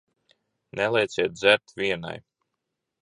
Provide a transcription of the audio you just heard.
Nelieciet dzert vienai.